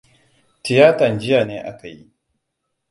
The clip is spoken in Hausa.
Tiyatan jiya ne aka yi.